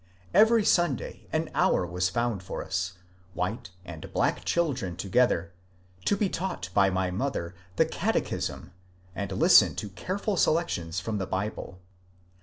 Every Sunday an hour was foimd for us — white and black children together — to be taught by my mother the cate chism and listen to careful selections from the Bible.